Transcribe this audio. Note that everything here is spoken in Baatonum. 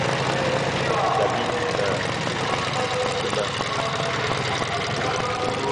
Sabin na, ù na.